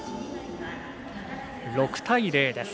６対０です。